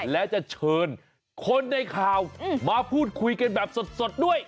และจะเชิญคนในข่าวมาพูดคุยกันแบบสดด้วย